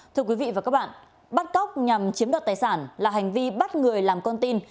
thưa quý vị và các bạn bắt cóc nhằm chiếm đoạt tài sản là hành vi bắt người làm con tin